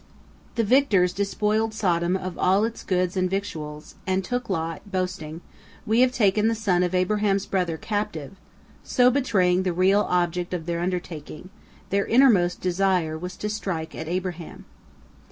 The victors despoiled Sodom of all its goods and victuals, and took Lot, boasting, "We have taken the son of Abraham's brother captive," so betraying the real object of their undertaking; their innermost desire was to strike at Abraham.